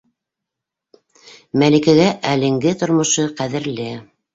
Мәликәгә әлеңге тормошо ҡәҙерле.